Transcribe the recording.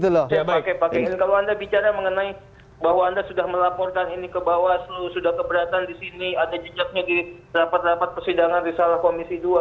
ada jejaknya di rapat rapat persidangan di salah komisi dua